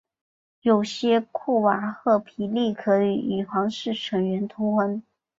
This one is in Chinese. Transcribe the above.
有些库瓦赫皮利可以与皇室成员通婚。